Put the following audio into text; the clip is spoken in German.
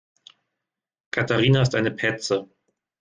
Katharina ist eine Petze.